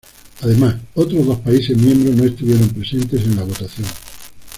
Además, otros dos países miembros no estuvieron presentes en la votación.